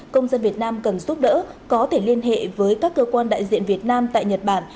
công dân việt nam cần giúp đỡ có thể liên hệ với các cơ quan đại diện việt nam tại nhật bản